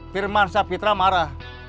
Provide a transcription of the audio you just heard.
firman sahpitra marah